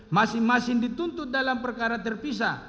masing masing dituntut dalam perkara terpisah